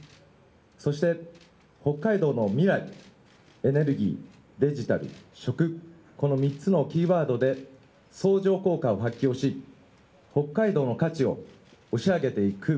そして、北海道の未来、エネルギー、デジタル、食、この３つのキーワードで相乗効果を発揮をし、北海道の価値を押し上げていく。